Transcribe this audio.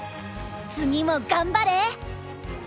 次も頑張れ！